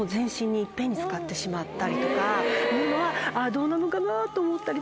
どうなのかな？と思ったりとか。